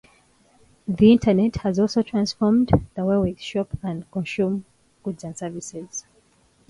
The Internet has also transformed the way we shop and consume goods and services.